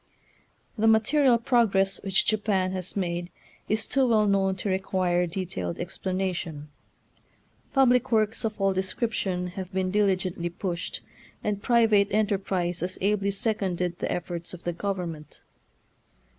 The material progress which Japan has made is too well known to require de tailed explanation. Public works of all description have been diligently pushed, and private enterprise has ably seconded the efforts of the government.